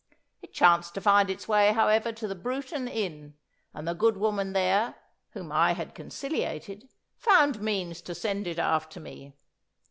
It chanced to find its way, however, to the Bruton inn, and the good woman there, whom I had conciliated, found means to send it after me.